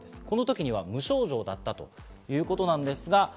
このときには無症状だったということなんです。